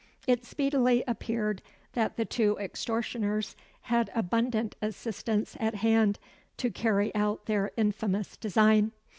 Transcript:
It speedily appeared that the two extortioners had abundant assistance at hand to carry out their infamous design.